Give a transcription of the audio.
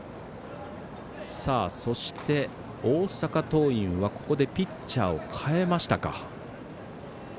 大阪桐蔭は、ここでピッチャーを代えましたか。